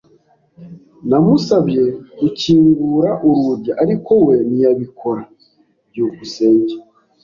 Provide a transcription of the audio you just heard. Namusabye gukingura urugi, ariko we ntiyabikora. byukusenge